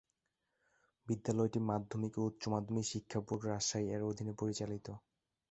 বিদ্যালয়টি মাধ্যমিক ও উচ্চ মাধ্যমিক শিক্ষা বোর্ড রাজশাহী এর অধীনে পরিচালিত।